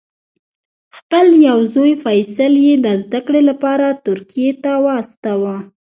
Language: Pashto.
خپل یو زوی فیصل یې د زده کړې لپاره ترکیې ته واستاوه.